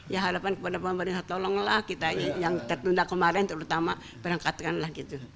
ya harapan kepada pemerintah tolonglah kita yang tertunda kemarin terutama berangkatkan lah gitu